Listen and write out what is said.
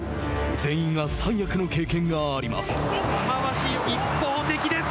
全員が三役の経験があります。